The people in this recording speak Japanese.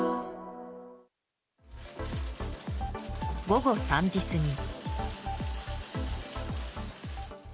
午後３時過ぎ。